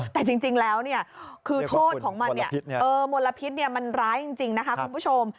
แต่จริงแล้วคือโทษของมันมลพิษมันร้ายจริงนะคะคุณผู้ชม